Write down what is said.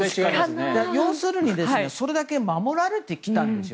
要するに、それだけ守られてきたんですよ。